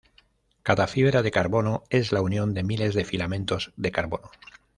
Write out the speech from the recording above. Cada fibra de carbono es la unión de miles de filamentos de carbono.